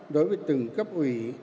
đối với từng cấp ủy